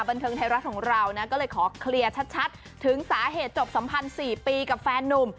บันเทิงไทยรัฐของเรานะก็เลยขอเคลียร์ชัดถึงสาเหตุจบสัมพันธ์๔ปีกับแฟนนุ่ม